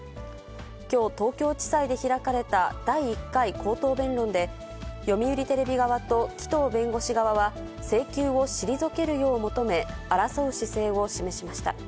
きょう、東京地裁で開かれた第１回口頭弁論で、読売テレビ側と紀藤弁護士側は、請求を退けるよう求め、争う姿勢を示しました。